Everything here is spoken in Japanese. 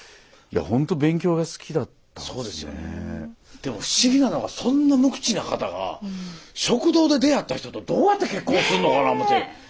でも不思議なのがそんな無口な方が食堂で出会った人とどうやって結婚するのかな思うて。